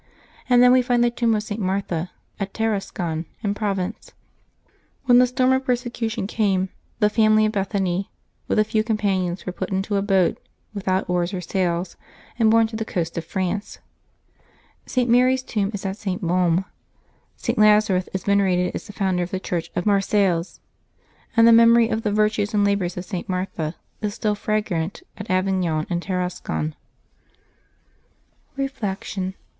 And then we find the tomb of St. Martha, at Tarascon, in Provence. Wlien the storm of persecution came, the family of Bethan)^, with a few com panions, were put into a boat, without oars or sail, and borne to the coast of France. St. Mar/s tomb is at St. Baume; St. Lazarus is venerated as the founder of the Church of Marseilles; and the memory of the virtues and labors of St. Martha is still fragrant at Avignon and Tarascon. July 30] LIVES OF TEE SAINTS 205 Reflection.